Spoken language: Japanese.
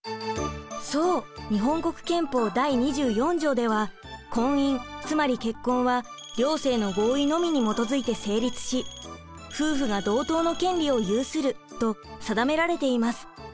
そう日本国憲法第２４条では婚姻つまり結婚は「両性の合意のみに基づいて成立し夫婦が同等の権利を有する」と定められています。